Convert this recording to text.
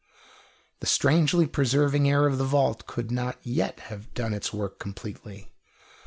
The strangely preserving air of the vault could not yet have done its work completely.